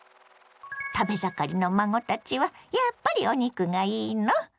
食べ盛りの孫たちはやっぱりお肉がいいの？